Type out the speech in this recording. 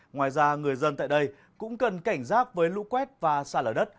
ngoài ra người dân tại đây cũng cần cảnh giác với lũ quét và xa lở đất